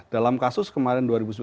dalam kasus kemarin dua ribu sembilan belas